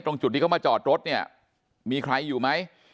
จุดที่เขามาจอดรถเนี่ยมีใครอยู่ไหม